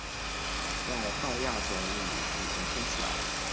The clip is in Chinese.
在豹亚种里体型偏小。